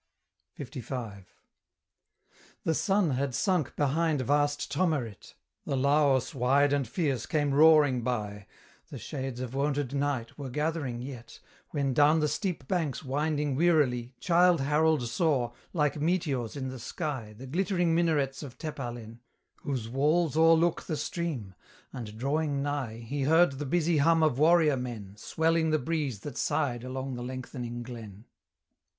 LV. The sun had sunk behind vast Tomerit, The Laos wide and fierce came roaring by; The shades of wonted night were gathering yet, When, down the steep banks winding wearily Childe Harold saw, like meteors in the sky, The glittering minarets of Tepalen, Whose walls o'erlook the stream; and drawing nigh, He heard the busy hum of warrior men Swelling the breeze that sighed along the lengthening glen.